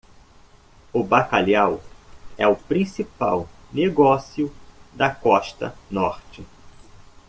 O bacalhau é o principal negócio da costa norte.